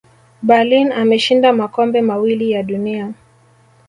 berlin ameshinda makombe mawili ya dunia